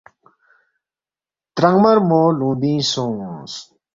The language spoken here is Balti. ترانگمَرمو لُونگبِنگ سونگس